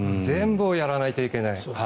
全部をやらないといけない。